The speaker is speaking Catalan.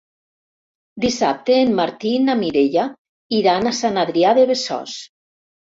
Dissabte en Martí i na Mireia iran a Sant Adrià de Besòs.